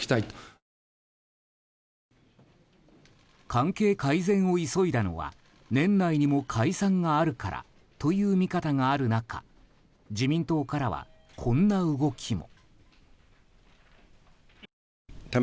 関係改善を急いだのは年内にも解散があるからという見方がある中自民党からはこんな動きも。